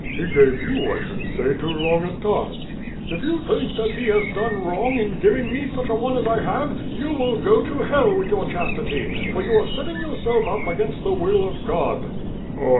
He gave you, I should say, too long a tongue." "If you think that He has done wrong in giving me such a one as I have, you will go to Hell with your chastity; for you are setting yourself up against the will of God."